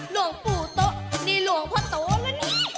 หลวงปู่โต๊ะนี่หลวงพ่อโตแล้วนี่